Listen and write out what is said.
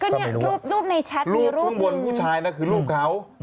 รูปในแชตมีรูปหนึ่งรูปข้างบนผู้ชายน่ะคือรูปเขา